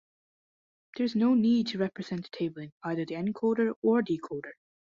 There is no need to represent the table in either the encoder or decoder.